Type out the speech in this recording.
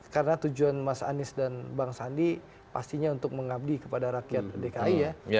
karena tujuan mas anies dan bang sandi pastinya untuk mengabdi kepada rakyat dki ya